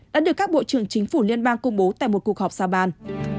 đã được các bộ trưởng chính phủ liên bang công bố tại một cuộc họp sa ban